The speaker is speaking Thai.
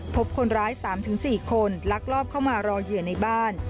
พบคนร้าย๓๔คนลักลอบเข้ามารอเหยื่อในบ้าน